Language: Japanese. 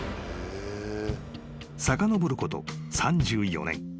［さかのぼること３４年］